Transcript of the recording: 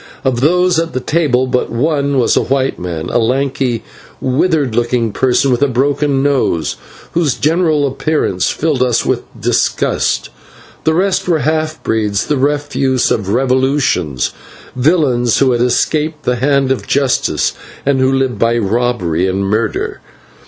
Of those at the table but one was a white man, a lanky, withered looking person with a broken nose, whose general appearance filled us with disgust. The rest were half breeds, the refuse of revolutions, villains who had escaped the hand of justice and who lived by robbery and murder.